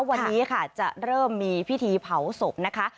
วันนี้ค่ะจะเริ่มมีพิธีเผาศพนะคะ